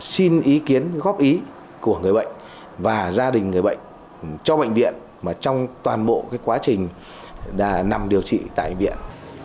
xin ý kiến góp ý của người bệnh và gia đình người bệnh cho bệnh viện mà trong toàn bộ quá trình nằm điều trị tại bệnh viện